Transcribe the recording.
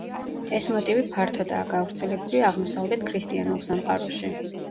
ეს მოტივი ფართოდაა გავრცელებული აღმოსავლეთ ქრისტიანულ სამყაროში.